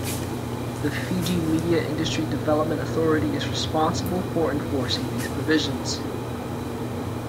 The Fiji Media Industry Development Authority is responsible for enforcing these provisions.